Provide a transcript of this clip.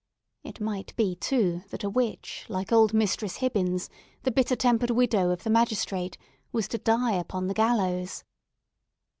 It might be, too, that a witch, like old Mistress Hibbins, the bitter tempered widow of the magistrate, was to die upon the gallows.